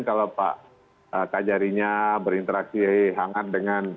kalau pak kajarinya berinteraksi hangat dengan